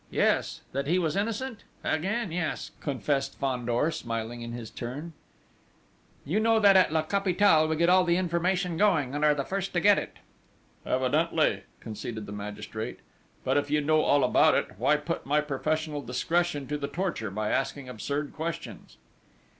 Yes. That he was innocent? Again, yes!" confessed Fandor, smiling in his turn: "You know that at La Capitale we get all the information going, and are the first to get it!" "Evidently," conceded the magistrate. "But if you know all about it, why put my professional discretion to the torture by asking absurd questions?"